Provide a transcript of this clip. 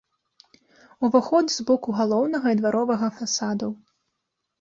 Уваходы з боку галоўнага і дваровага фасадаў.